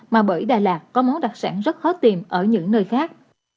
mà bởi đà lạt có món đặc sản rất khó tìm ở những nơi khác